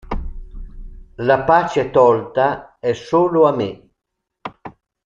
La pace tolta è solo a me.